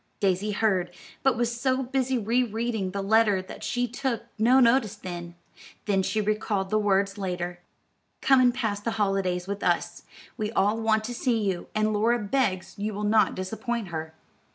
Daisy heard, but was so busy re reading the letter that she took no notice then, though she recalled the words later. "Come and pass the holidays with us. We all want to see you, and Laura begs you will not disappoint her."